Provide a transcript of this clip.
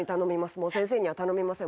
もう先生には頼みません。